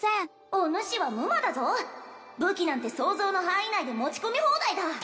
おぬしは夢魔だぞ武器なんて想像の範囲内で持ち込み放題だ